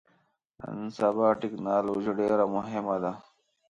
نن سبا ټکنالوژي ډیره مهمه ده